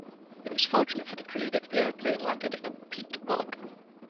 It was fortunate for the crew that the airplane landed in a peat bog.